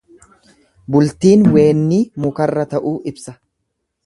Bultiin weennii mukarra ta'uu ibsa.